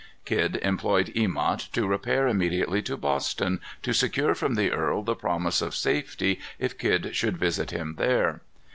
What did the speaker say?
Kidd employed Emot to repair immediately to Boston, to secure from the earl the promise of safety if Kidd should visit him there.